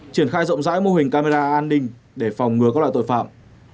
triển khai rộng rãi mô hình camera an ninh để phòng ngừa các loại tội phạm